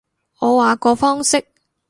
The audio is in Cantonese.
我話個方式